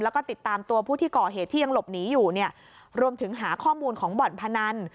แล้วก็ติดตามตัวผู้ที่ก่อเหตุที่ยังหลบหนีอยู่เนี่ยรวมถึงหาข้อมูลของบ่อนพนัน